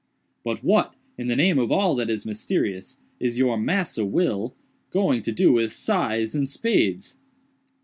"But what, in the name of all that is mysterious, is your 'Massa Will' going to do with scythes and spades?"